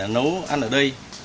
nấu ăn ở đây